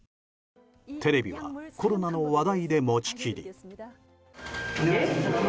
テレビはコロナの話題で持ち切り。